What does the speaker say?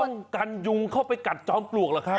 ต้องกันยุงเข้าไปกัดจอมปลวกเหรอครับ